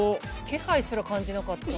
気配すら感じなかった。